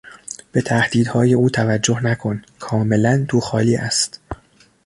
به تهدیدهای او توجه نکن; کاملا تو خالی است.